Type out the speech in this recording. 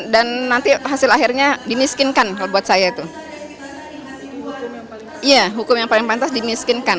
dan nanti hasil akhirnya dimiskinkan kalau buat saya itu iya hukum yang paling pantas dimiskinkan